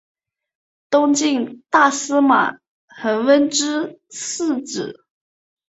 东晋大司马桓温之四子。